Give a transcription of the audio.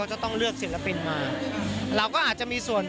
การเดินทางปลอดภัยทุกครั้งในฝั่งสิทธิ์ที่หนูนะคะ